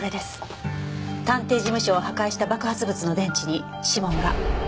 探偵事務所を破壊した爆発物の電池に指紋が。